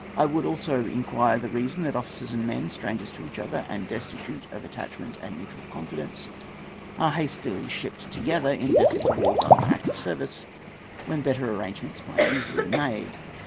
I would also inquire the reason that officers and men, strangers to each other, and destitute of attachment and mutual confidence, are hastily shipped together in vessels of war going on active service, when better arrangements might easily be made.